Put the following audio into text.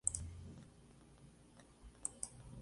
Es en dicho punto donde tiene la máxima entropía.